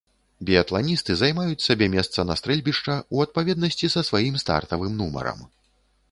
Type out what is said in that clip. Біятланісты займаюць сабе месца на стрэльбішча ў адпаведнасці са сваім стартавым нумарам.